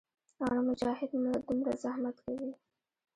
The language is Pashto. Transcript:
او نۀ مجاهد ملت دومره زحمت کوي